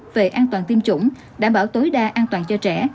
về an toàn tiêm chủng đảm bảo tối đa an toàn cho trẻ